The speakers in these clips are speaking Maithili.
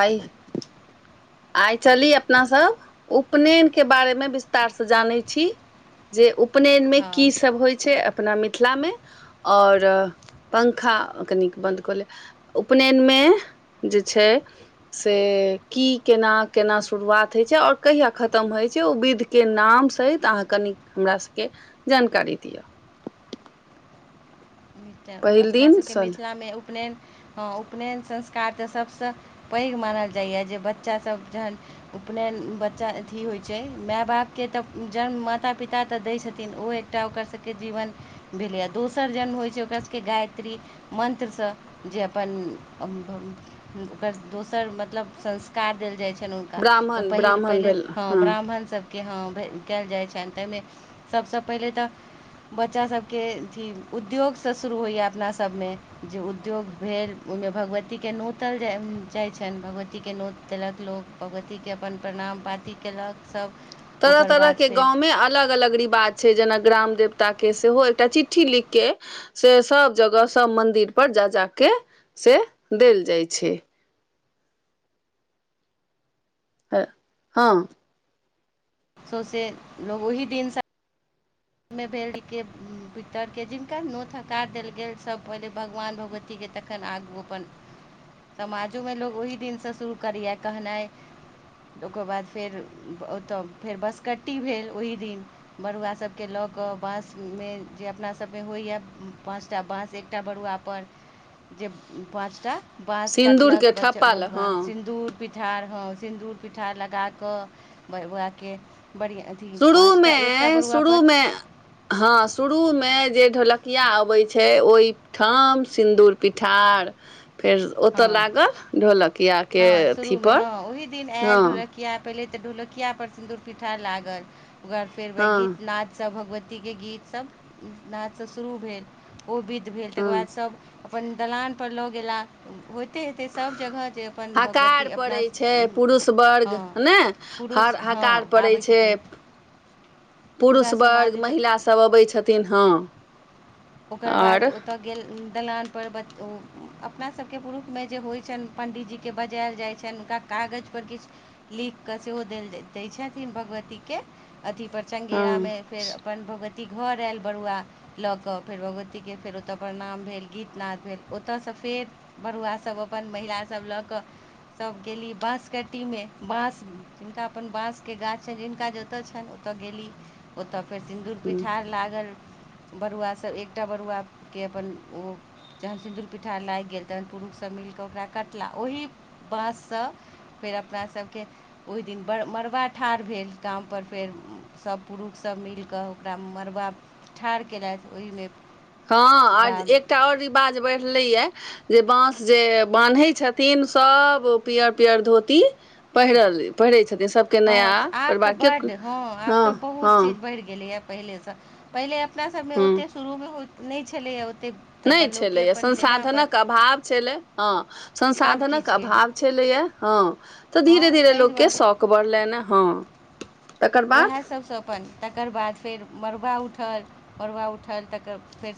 आइ आइ चली अपना सब। उपनयन के बारे मे विस्तार सँ जानै छी। जे उपनयन मे हँ कीसभ होइ छै अपना मिथिला मे। ओर पंखा कनिक बन्द कऽ ले उपनयन मे जे छै से की केना केना शुरुआत होइ छै और कहिया खतम होइ छै ओ विध के नाम सहित अहाँ कनि हमरा सबके जानकारी दिअ। पहिल अपना दिन सभ के सल मिथिला मे उपनयन हँ उपनयन संस्कार तऽ सभसँ पैघ मानल जाइए जे बच्चा सभ जखन उपनयन बच्चा अथी होइत छै माय बाप के तऽ जन्म माता पिता तऽ दैत छथिन ओ ताय ओकरा सब के जीवन भेलै है दोसर जन्म होइछै ओकरा सबके गायत्री मन्त्रसँ जे अपन ओकर दोसर मतलब संस्कार देल जाइत छनि ओ तऽ ओ ब्राह्मण पहिल ब्राह्मण पहिले भेल हँ ब्राह्मण सब के हँ भ कयल जाइ छनि ताहि मे सभसँ पहिले तऽ बच्चा सभके अथी उद्योग शुरू होइया अपना सबमे जे उद्योग भेल ओहि मे भगवती के नोतल जाय जाइ छनि भगवती के नोत देलक लोक भगवती के अपन प्रणाम पाती कयेलक सभ तरह- तरह के गांव मे अलग -अलग रिवाज छैय जेना ग्राम देवता के सेहो एकटा चिठ्ठी लिख के से सब जगह सब मन्दिर पर जा जाके से देल जाइ छैय त हम सोंसे लोग ओहि दिन सँ मे भेल के पितर के जिनका नोत हकार देल गेल सब पहिले भगवान भगवती थीके तखन आगू अपन समाजो मे लोग ओहि दिन सँ शुरू करैए कहनाइ ओकर बाद फेर ओतय फेर बसकट्टी भेल ओहि दिन बरुआ सभ के लक बाँस मे जे अपना सभ मे होइए पाँचटा बाँस एकटा बरुआ पर जे पाँचटा बाँस सिन्दूर कटलक के बच ठप्पा लग बरुआ हँ सिन्दूर पिठार हँ सिन्दूर पिठार लगाक बौआ के बढ़िआँ अथी शुरू पाँचटा मे एकटा शुरू बड़ुआपर मे हँ शुरू मे जे ढोलक किया अबै छै ओहि ठाम सिन्दूर पिठार फेर ओतअ हँ लागल ढोलकिया के हँ अथीपर हँ किया पहिले त ढोलकिया पर सिन्दूर पीठार लागल ओकर फेर वएह हँ गीत नाद सभ भगवती के गीत सभ नादसँ शुरू भेल ओ विध भेल तकर हँ बाद सब अपन दलान पर लो गेला होयते हेते सब जगह जे अपन हकार भगवती पड़ै अपना छै पुरुष वर्ग हँ हने ह पुरुष हँ हकार पड़ै आबै छै छथिन पुरुष पूरा समाज वर्ग ओतय महिला सभ अबै छथिन हँ ओकर आओर बाद ओत गेल दलान पर अपना सबके पुरुष मे जे होइ छनि पण्डीजी के बजायल जाइ छनि हुनका कागज पर किछ लिख के सेहो देल दय छथिन भगवती के अथी पर हँ चांगेरा मे फेर अपन भगवती घर आयल बरुआ ल क फेर भगवती के फेर ओतअ प्रणाम भेल गीतनाद भेल ओतसँ फेर बरुआ सभ अपन महिला सभ ल क सब गेली बांसकट्टी मे बाँस जिनका अपन बांस के गाछ छनि जिनका जतय छनि ओतअ। गेली ओतय फेर सिन्दूर पीठार लागल बरूआ त एकटा बरुआके अपन ओ जखन सिन्दूर पिठार लागि गेल तखन पुरुषसभ मिलि क ओकरा कटलाह ओही बाँस सँ फेर अपना सभ के ओहि दिन बड़ मड़बा ठाढ़ भेल काम पर फेर सभ पुरुख सभ मिलि क ओकरा मड़बा ठाढ़ कयलथि ओहि मे हँ आ एकटा आओर रिवाज बढ़लै ये जे बाँस जे बान्है छथिन सभ पियर पियर धोती पहिरल पहिरैत छथिन सभ हँ आब त बड हँ आब त हँ बहुत चीज हँ बढ़ि गेलैय पहिले सँ पहिले अपना सभ मे हँ ओतेक शुरू मे होइत नहि छलैए ओतेक नहि छलैए संसाधनक अभाव छलै हँ सब संसाधनक किछुके अभाव छलैए हँ त हँ धीरे धीरे ताहि लोकके दुआरे शौक बढ़लनि हँ तकर बाद उएह सभसँ अपन तकर बाद फेर मड़बा उठल मड़बा उठल तकर फेर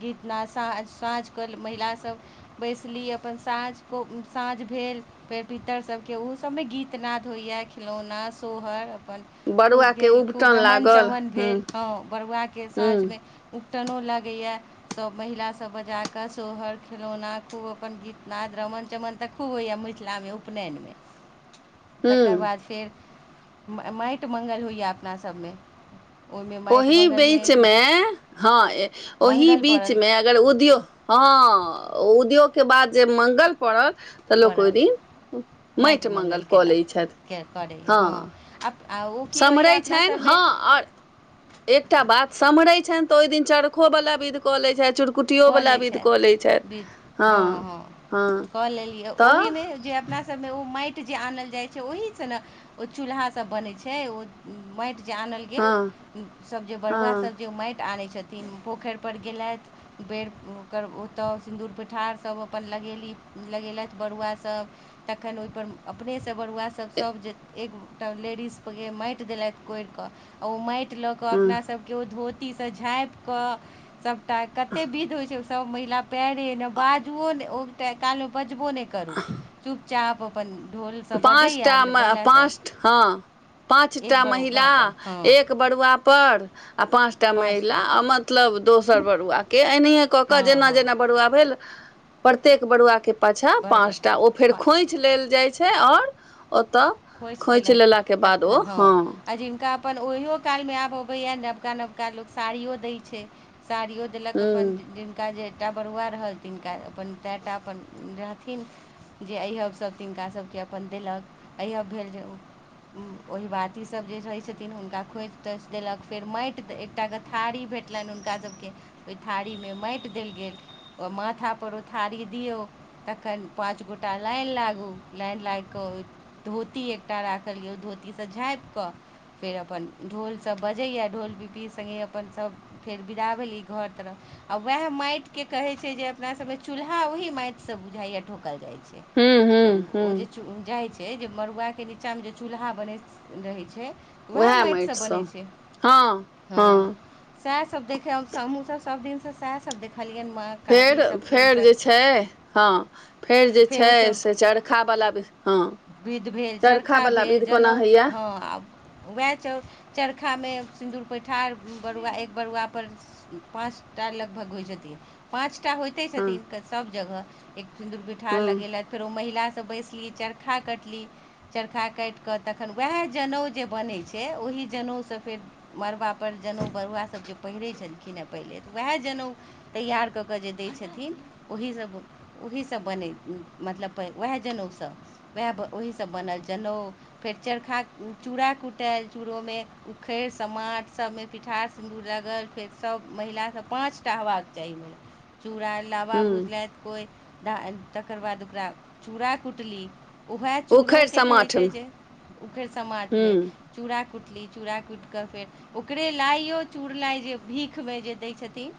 गीतनाद साँ साँझ के महिला सभ बैसली अपन साँझ क साँझ भेल फेर पितरसभ के ओहो सभ मे गीतनाद होइए खिलौना सोहर अपन खूब बड़ुआके गेल खूब उबटन रमन लागल चवन हूँ भेल हँ बरुआ के हूँ साँझमे उकटनो लागैये सभ महिलासभ बजा क सोहर खिलौना खूब अपन गीतनाद रमन चमन देख खू होइए मिथिलामे उपनयनमे ह तकर बाद फेर माटि मंगल होइए अपनासभ मे ओहि बीच मे हँ ओहि मङ्गल बीच पड़ल मे अगर उद्योग हँ उद्योग के बाद जे मंगल पड़ल तऽ लोक ओहि पड़ल दिन माटि म्गल कऽ लैत छथि हँ आब आ ओ की होइए सम्हरै अपना छनि सभमे हँ आओर एकटा बात समहरे छनि ते ओहि दिन चरखो वालला विध कऽ ले छै च कुटियो वला विध कऽ लै छथि हँ हँ कऽ लेलियै तऽ ओहिमे जे अपना ओ माटि जे आनल जाइ छै ओहि सँ ने ओ चूल्हा सब बनै छै ओ मैट जे आनल हँ गेल सभ जे बरुआ हँ सब जे माटि आनै छथिन पोखरि पर गेलथि बेर ओकर ओतय सिन्दूर पिठारसभ अपन लगेली लगेलथि बरुआ सभ तखन ओहिपर अपने सँ बरुआसभ सभ जे एकटा लेडीज के माटि देलथि कोरि कऽ ओ माटि लऽ कऽ हँ अपना सभके ओ धोती सँ झाँपि कऽ सभटा कते विध होय छै सब महिला पैरे ने बाजबो ने ओ काल मे बजबो ने करू चुपचाप अपन ढोल सभ बजैए पाँचटा महिला पाँच हँ सभ एक पाँचटा महिला बरुआ पर हँ एक बरुआ पर आ पाँच टा महिला आर मतलब दोसर बरुआ के एनाहियए कऽ कऽ हँ जेना हँ जेना बरुआ भेल प्रतेक बरुआ के पाछा बराबर पाँचटा ओ फेर पा खोछि लेल जाइ छै छै ओर ओतऽ खोसि खोंछि देलथि लेलाके बाद तखन ओ हँ आ जिनका अपन ओहियो काल मे आब अबैया नबका नबका लोक साड़ियो दै छै साड़ियो देलक अपन हूँ जिनका जे एकटा बरुआ रहल तिनका अपन तए टा अपन रहथिन जे अइब सभ तिनका सभके अपन देलक अइहब भेल जे ओ ओहि बाती सब जे रहै छथिन हुनका खोज तो देलक फेर माटि एकटा के थारी भेट भेटलनि हुनका सभके ओहि थारी मे माटि देल गेल ओ मथााप उ थारी दियौ तखन पाँच गोटा लाइन लागू लाइन लागि कऽ धोती एकटा राखलियए गैल धोती सँ झाँपि कऽ फेर अपन ढ़ोल सभ बजैए ढ़ोल पिबी संगे अपन सभ फेर बिदा भेली घर तरफ आ उएह माटिकेँ कहैत छै जे अपनासभमे चूल्हा ओही माटिसँ बुझाइए ठोकल जाइत छै हूँ हूँ हूँ ओ जे जाइ छै से जे मड़ुआ के नीचाँ मे जे चूल्हा बनैत रहै छै वएह उएह माटि सँ बनै माटिसँ छै हँ सएह सब देखेब हमहूँ सब सब दिनसँ सएह सब देखलियनि मा फेर फेर जे छै हँ फेर जे छै फेरो से चारि खा बला भ हँ विधि भेल चरखा बला भेल विध कोना जनउ होइया हँ आब वएह चौर चरखा मे सिन्दूर पैठार बरुआ एक बरुआ पर पाँचटा लगभग होइ छथि पाँचटा होइ हँ छथिन सब जगह एक सिन्दुर पीठार हँ लगेलथि फेर ओ महिला सब बैसलिय चर ठा कटली चरखा काटि कऽ तखन उएह जनउ जे बनैत छै ओहि जनउसँ फेर मड़बापर जनेउ बरुआसभ जे पहिरैत छलखिन हेँ पहिले तऽ उएह जनेउ तैयार कऽ कऽ जे दैत छथिन ओही सभ ओहीसभ बनय मतलब उएह जनेउसँ उएह ओहीसभ बनल जनेउ। फेर चरखा चूड़ा कूटाय चूड़ोमे उखरि समाट सभमे पिठार, - रगर के तब महिला पांच टा बेबाक चाहि चुरा लाबा हँ भुजलथि कोइ तकर बाद ओकरा चूड़ा कुटली। उएह उखड़ि चूड़ोके कहैत समाठमे छै जे ओखेर समाटमे। हूँ चूड़ा कुटली चूड़ा कुटििकऽ फेर, - ओकरे लाइओ चुड़लाइ जे भीखमे जे दैत छथिन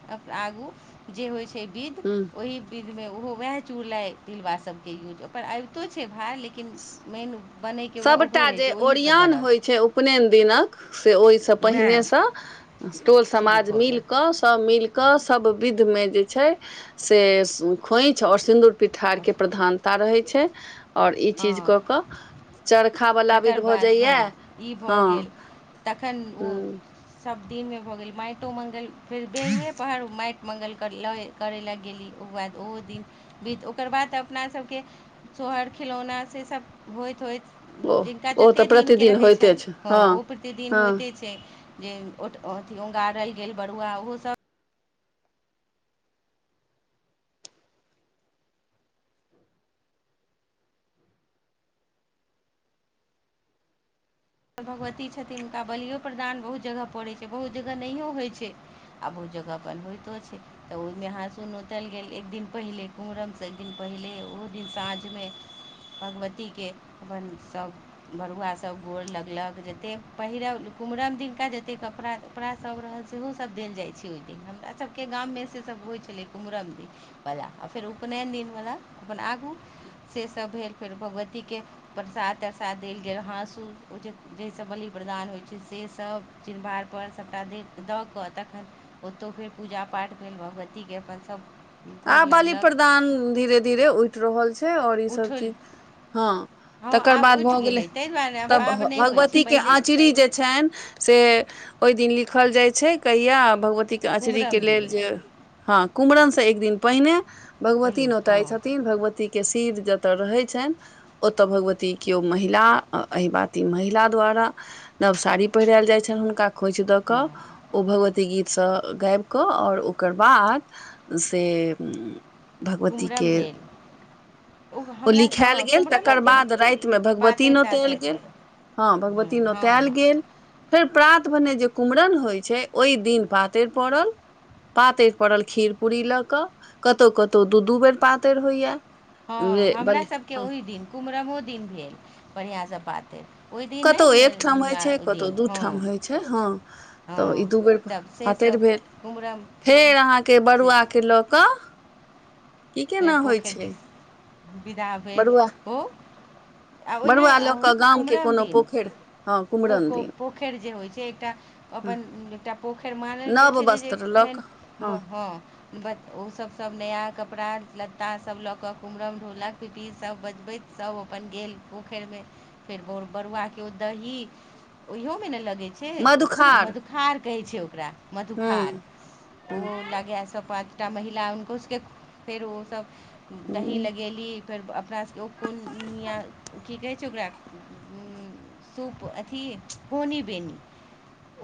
आगू। जे होइ छै विध हूँ ओही। बिध मे ओहो वएह चूड़ल तिलबा सबके यूज ओ पर आबितो छै भार लेकिन मेन बनैके वएह ओहो सभटा रहै जे छै ओहीसँ ओरिियन बनल होइ छै उपनयन दिनक। से ओहिसँ वएह पहिनेसँ टोल शुरू समाज भऽ मिल गेल कऽ सभ मिलऽ। के सब विध में जे छै से खोइछ और सिन्दूर पिठार के प्रधान- ता रहै छै आओर ई चीज हँ कऽ कऽ। चरख बला विध तकर भऽ बाद जाइया हँ ई हँ भऽ गेल तखन ओ ह। सब दिन मे भऽ गेल माटो मंगल फेर भेलेलुए- पहर माटि मङ्गल ल करै लए गेली ओकर बाद ओहो दिन। बीत ओकर बाद अपनासभके सोहर खिलौना सेसभ होइत होइत। ओ जिनका ओ तऽ जतेक दिनके प्रतिदिन रहै होइते छनि छै हँ ओ प्रतिदिन हँ होइते छै। जे ओ अथी उगारल गेल बरुआ ओहो सब। भगवती छथिन हुनका बलियो प्रदान बहुत जगह पड़ैत छै बहुत जगह नहियो होइत छै। आब ओ जगह बनबितो छै। तऽ ओहिमे हसुन उतल गेल एक दिन पहिले कुम्हरमसँ एक दिन पहिले ओहो दिन साँझमे। भगवतीके अपन सभ बरुआ सभ गोर लग। लग जतेक पहिरब कुमहरम दिनका जतेक कपड़ा उपड़ा सब रहल सेहो सब देल जाइ छै ओहि दिन हम- हमरा सबके गाममे से सब होइ छलै कुम्हरमदीन पला आ फेर उपनयन दिनवला अपन आगू। से सब भेल फेर भगवतीके प्रसाद तरसाद देल गेल हाँस उस- ओ जे जाहिसँ बलि प्र्रदान होइत छै सेसभ चिन्बाड़पर सभटा दऽ कऽ तखन- ओतहु फेर पूजा पाठ भेल भगवतीके अपन सभ। आ बाली प्रदान धीरे धीरे उठि रहल छै आओर ईसभ उठल चीज- हँ हँ तकर आब बाद उठि भऽ गेलै। ताहि दुआरे आब त आब नहि होइ छै भगवती के पहिले आँचरी जे छनि। से ओहि दिन लिखल जाइ छै कहिया भगवतीके आँचरीके कुम्हरम दिन लेल जे। हँ कुम्रमन से एक दिन पहिने पहिले भगवती हँ नोताई छथिन भगवती। के सिर जतय रहैत छनि। ओतय भगवती केओ महिला एहि बाती महिला द्वारा- नव साड़ी पहिरायल जाय छनि हुनका। खोइछ दऽ कऽ हँ ओ भगवती गीतसँ गाबि कऽ आओरकरबाद से कुम्हरम भगवतीके। भेल ओ हमरा हँ लिखायल गेल कुम्हरमे तकर दिन बाद रातिमे भगवती पातरि तातरि नोतायल गेल। पर हँ भगवती हँ नोतायल हँ गेल। फेर प्रात भेने जे कुम्हरम होइत छै ओहि दिन पातरि पड़ल- पातरि पड़ल खीर पूरी लऽ कऽ कतहु कतौ दू दू बेर पातरि होइया। हँ हमरासभके ओहि दिन कुम्हरमो दिन भेल बढ़िआँसँ पातरि- ओहि दिन नहि कतहु भेल एकठाम होइत छै ओहि कतहु दिन दू हँ ठाम होइत छै हँ तऽ हँ ई दू बेर तब से फातरि सब भेल। कुम्हरम फेर अहाँकेँ से बरुआ केँ लऽ कऽ। की फेर केना होइ पोखरि छै दिस विदा भेल बरुआ ओ। आ ओना बरुआ लऽ कऽ गामके कुमरन कोनो दिन पोखरि हँ कुमरन पोख दिन पोखरि जे होइत छै एकटा। हँ अपन एकटा पोखरि मानल गेल नव छै जे जे वस्त्र लऽ कऽ एहेन हँ। ओ सभ सभ नया कपड़ा लत्ता सभ लऽ कऽ कुमरम ढोलक पिपिही सब बजबैत। सब अपन गेल पोखरिमे फेर बर बरुआ केँ ओ दही। ओहियमे नऽ लगै छै ओ मधुखार मधुखार कहै छै ओकरा। मधुखार हँ ओ लगा सँ पाँ टा महिला हुनको सबके फेर ओसभ दही लगेली फेर अपना। क्यो कोनिया की कहै छै ओकरा सूप। अथि कोनी बेनी।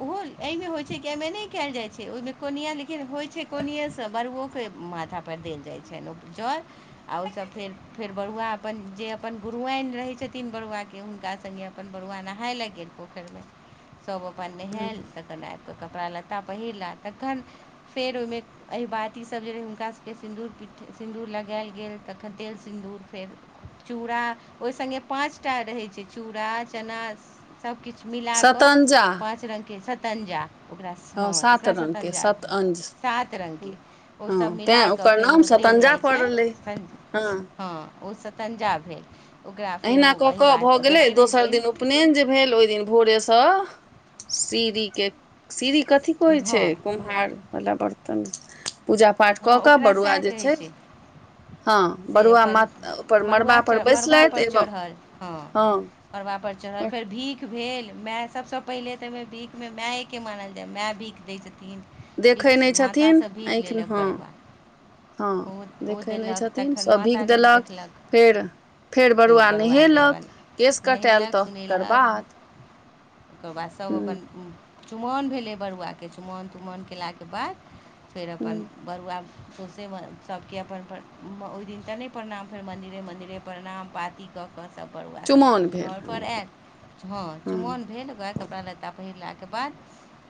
ओहो एहिमे होइ छै कि एमे नइ कयल जाइ छै ओहिमे कोनिया लेकिन होइ छै कोनिये सँ बड़ुओ केँ माथा पर देल जाइ छनि उ जल। आ ओसभ फेर फेर बरुआ अपन जे अपन गुरुआइन रहैत छथिन बरुआके हुनका संगे अपन बरुआ नहाय लऽ गेल पोखैर मे सब अपन नहायल तखन एल तऽ कपड़ा लत्ता पहिरलाह तखन फेर ओहिमे। एहि बाती ई सभ जे रहै हुनका सभ केँ सिन्दूर पिट सिन्दूर लगायल गेल तखन तेल सिन्दूर फेर चूड़ा ओहि संगे पाँच टा रहैत छै चूड़ा, चना। सबकिछ मिलाकऽ शतञ्जा पाँच रंगके सतन्जा। ओकरा सँ हँ सात ओकरा रंगके सतन्जा शतअंज सात रंग केँ ओसभ हँ मिला तैं कऽ ओकर फेर नाम ओ देल शतञ्जा जाइत छै पड़लै हँ। ओ सतञ्जा भेल ओकरा फेर ओ अहिना कऽ एहि कऽ बात भऽ गेलै जते रहै दोसर छथिन। दिन उपनयन जे भेल ओहि दिन भोरेसँ श्री केँ श्री कथी कहइ हँ छै कुम्हार बला बर्तन पूजा। पाठ कऽ हँ कऽ ओकरा बरुआ सएह जे कहै छै। हँ से बरुआ मा अपन मड़बा मड़ुआ पर चढ़ बैसलैथ मड़बापर चढ़ल हँ। मरबा पर चढ़ल फेर भीख भेल माय सभसँ पहिनेे तऽ ओहिमे भीखमे मायकेँ मानल जाय माय भीख। दै छथिन देखै भिख नहि माता छथिन सँ भीख आँखिमे लेलक हँ बरुआ। ओ हँ ओ देखै नहि देलक छथिन तखन सभ भीख माता नइ देलक देखलक। फेर फेर बरुआ बरुआकेँ नहेलक अपन केश कटायल नहेलक तऽ तकर सोनेयलक। बाद ओकर बाद सभ हूँ अपन। चुमाओन भेलै बरुआ केँ चुमाओन तुमाओन कयला केँ बाद फेर हूँ अपन बरुआ। से मऽ सबके अपन ओहि दिन तऽ नय प्रणाम फेर मन्दिरे मन्दिरे प्रणाम पाती। कऽ कऽ सभ बरुआ सब चुमाओन अपन भेल घर पर आयल। हँ चुमाओन भेल गह कपड़ा लत्ता पहिरला केँ बाद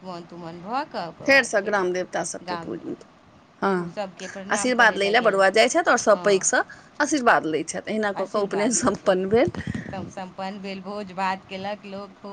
चुमाओन तुमाओन भऽ कऽ। ओकर फेर बाद सँ ग्राम देवता सब केँ पूज गाममे [unintelligible] हँ। सभके प्रणाम आशीर्वाद करय लै लेल लए गेल बरुआ जाइ छैथ आओर सभ हँ पैघ सँ। आशीर्वाद लैत छैथ अहिना कऽ कऽ उपनयन सम्पन्न भेल। तब सम्पन्न भेल भोज भात केलक लोक खूब।